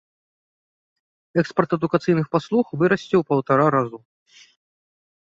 Экспарт адукацыйных паслуг вырасце ў паўтара разу.